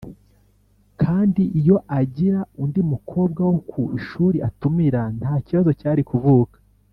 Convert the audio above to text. Kandi iyo agira undi mukobwa wo ku ishuri atumira, nta kibazo cyari kuvuka